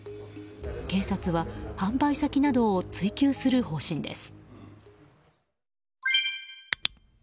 警察は販売先などを追及する方針です。